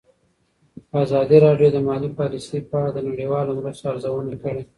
ازادي راډیو د مالي پالیسي په اړه د نړیوالو مرستو ارزونه کړې.